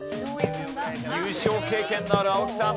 優勝経験のある青木さん。